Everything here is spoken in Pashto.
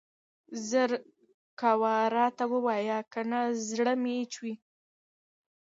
زر کوه راته ووايه کنه زړه مې چوي.